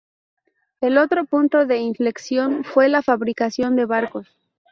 El otro punto de inflexión fue la fabricación de barcos.